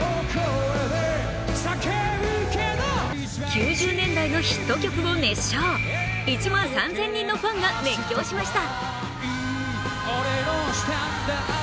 ９０年代のヒット曲を熱唱、１万３０００人のファンが熱狂しました。